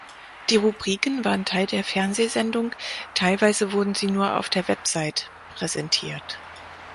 Die Rubriken waren Teil der Fernsehsendung; teilweise wurden sie nur auf der Website präsentiert.